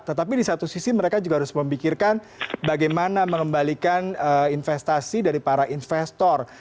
tetapi di satu sisi mereka juga harus memikirkan bagaimana mengembalikan investasi dari para investor